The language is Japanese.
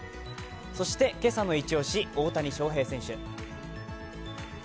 そして今朝のイチ押し、大谷翔平選手。